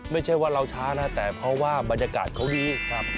ไม่ใช่ว่าเราช้านะแต่เพราะว่าบรรยากาศเขาดีครับ